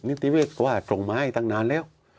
นิติเวศว่าส่งมาให้ตั้งนานแล้ว